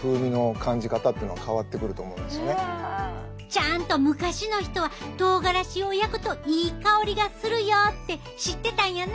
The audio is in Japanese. ちゃんと昔の人はとうがらしを焼くといい香りがするよって知ってたんやな。